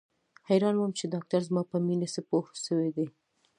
حيران وم چې ډاکتر زما په مينې څه پوه سوى دى.